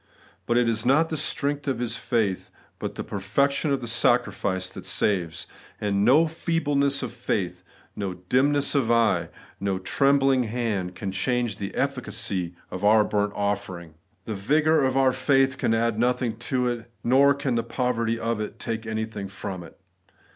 But it is not the strength of his faith, but the perfection of the sacri fice, that saves ; and no feebleness of faith, no dim ness of eye, no trembling of hand, can change the efiicacy of our burnt oflfering. The vigour of our faith can add nothing to it, nor can the poverty of it take anything from it.